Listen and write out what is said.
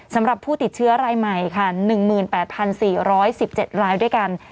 สำหรับผู้ติดเชื้อรายใหม่ค่ะหนึ่งหมื่นแปดพันสี่ร้อยสิบเจ็ดรายด้วยกัน